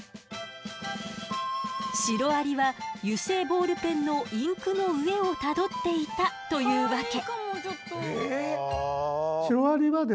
シロアリは油性ボールペンのインクの上をたどっていたというわけ。